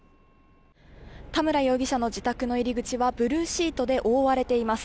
田村容疑者の自宅の入り口はブルーシートで覆われています。